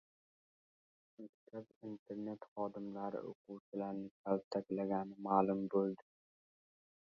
Maktab-internat xodimlari o‘quvchilarni kaltaklagani ma’lum bo‘ldi